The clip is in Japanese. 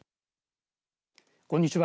こんにちは。